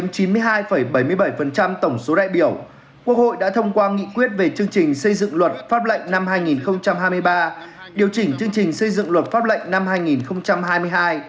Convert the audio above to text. chiếm chín mươi hai bảy mươi bảy tổng số đại biểu quốc hội đã thông qua nghị quyết về chương trình xây dựng luật pháp lệnh năm hai nghìn hai mươi hai